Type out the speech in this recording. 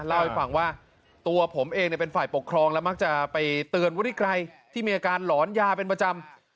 เล่าให้ฟังว่าตัวผมเองเป็นฝ่ายปกครองและมักจะไปเตือนวุฒิไกรที่มีอาการหลอนยาเป็นประจำ